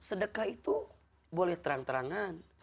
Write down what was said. sedekah itu boleh terang terangan